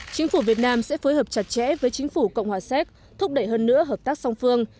chính phủ việt nam sẽ phối hợp chặt chẽ với chính phủ cộng hòa séc thúc đẩy hơn nữa hợp tác song phương